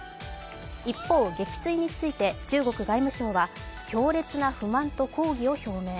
一方、撃墜について中国外務省は強烈な不満と抗議を表明。